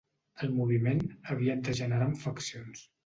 El moviment aviat degenerà en faccions.